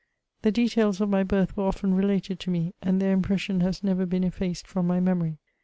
The details of my birth were often related to me, and tiieir impression has never been effitced from my memory.